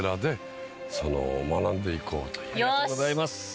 ありがとうございます。